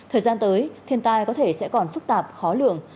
thời gian tới thiên tai có thể sẽ còn phức tạp khó lường